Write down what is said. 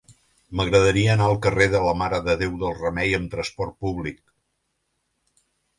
M'agradaria anar al carrer de la Mare de Déu del Remei amb trasport públic.